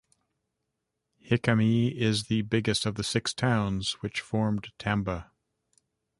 Hikami is the biggest of the six towns which formed Tamba.